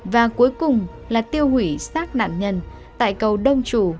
và cuối cùng là tiêu hủy sát nạn nhân tại cầu đông chủ